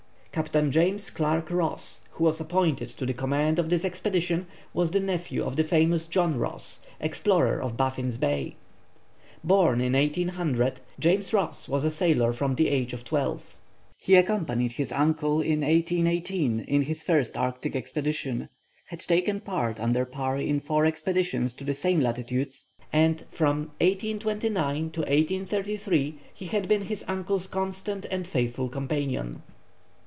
Captain James Clark Ross, who was appointed to the command of this expedition, was the nephew of the famous John Ross, explorer of Baffin's Bay. Born in 1800, James Ross was a sailor from the age of twelve. He accompanied his uncle in 1818 in his first Arctic expedition, had taken part under Parry in four expeditions to the same latitudes, and from 1829 1833 he had been his uncle's constant and faithful companion.